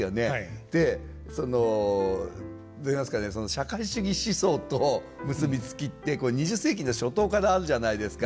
社会主義思想と結び付きってこれ２０世紀の初頭からあるじゃないですか。